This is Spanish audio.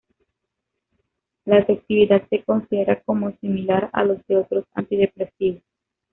La efectividad se considera como similar a la de otros antidepresivos.